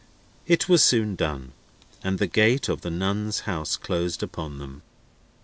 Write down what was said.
It was soon done, and the gate of the Nuns' House closed upon them.